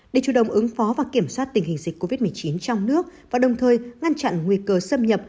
để chủ động ứng phó và kiểm soát tình hình dịch covid một mươi chín trong nước và đồng thời ngăn chặn nguy cơ xâm nhập